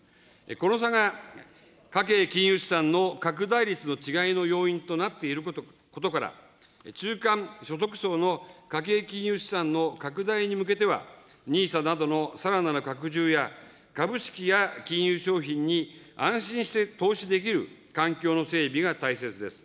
この差が、家計金融資産の拡大率の違いの要因となっていることから、中間所得層の家計金融資産の拡大に向けては、ＮＩＳＡなどのさらなる拡充や、株式や金融商品に安心して投資できる環境の整備が大切です。